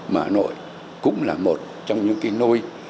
mà hà nội cũng là một trong những cái nôi